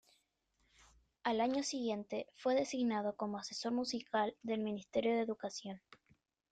Al año siguiente fue designado como asesor musical del Ministerio de Educación.